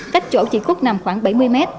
cách chỗ chị cúc nằm khoảng bảy mươi mét